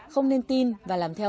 không nên tin và làm theo